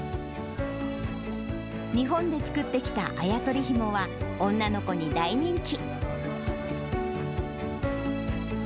日本で作ってきたあや取りひもは、女の子に大人気。